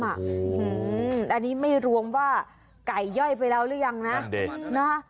อันนี้ไม่รวมว่าไก่ย่อยไปแล้วหรือยังนะ